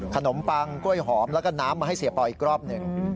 ปังกล้วยหอมแล้วก็น้ำมาให้เสียปอยอีกรอบหนึ่ง